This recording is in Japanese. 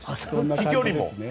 飛距離も。